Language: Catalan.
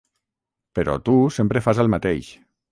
Però tu sempre fas el mateix.